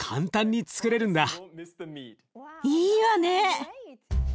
いいわね！